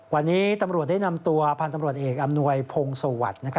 วันนี้ตำรวจได้นำตัวพันธ์ตำรวจเอกอำนวยพงศวรรค์